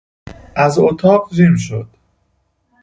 از اتاق جیم شد.